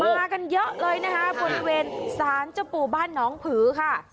มากันเยอะเลยนะคะบริเวณสารเจ้าปู่บ้านน้องผือค่ะ